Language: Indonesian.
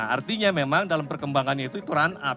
artinya memang dalam perkembangannya itu run up